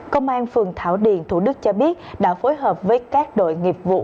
công an phường thảo điền thủ đức cho biết đã phối hợp với các đội nghiệp vụ